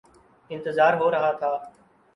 انتظار ہو رہا تھا